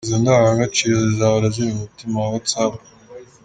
Izo ndangagaciro zizahora ziri mu mutima wa WhatsApp.